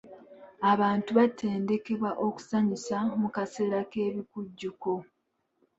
Abantu baatendekebwa okusanyusa mu kaseera k'ebikujjuko.